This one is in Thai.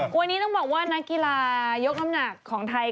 วันนี้ต้องบอกว่านักกีฬายกน้ำหนักของไทย